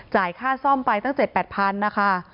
ค่าซ่อมไปตั้ง๗๘๐๐๐นะคะ